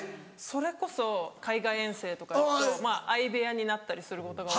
それこそ海外遠征とか行くと相部屋になったりすることが。